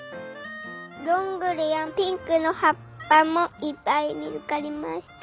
どんぐりやピンクのはっぱもいっぱいみつかりました。